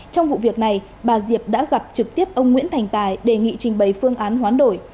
trong vụ việc này bà diệp đã gặp trực tiếp ông nguyễn thành tài đề nghị trình bày phương án hoán đổi